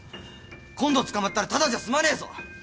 今度捕まったらただじゃすまねえぞ！